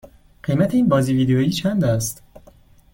قیمت این بازی ویدیویی چند است؟